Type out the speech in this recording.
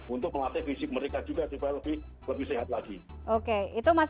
untuk melatih fisik mereka juga supaya lebih sehat lagi